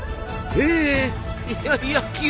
ええ。